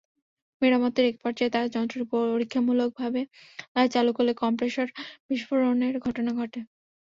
মেরামতের একপর্যায়ে তাঁরা যন্ত্রটি পরীক্ষামূলকভাবে চালু করলে কম্প্রেসর বিস্ফোরণের ঘটনা ঘটে।